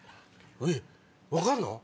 えっ分かるの？